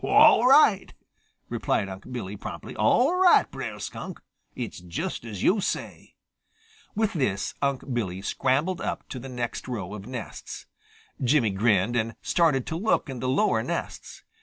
"All right," replied Unc' Billy promptly. "All right, Brer Skunk. It's just as yo' say." With this, Unc' Billy scrambled up to the next row of nests. Jimmy grinned and started to look in the lower nests.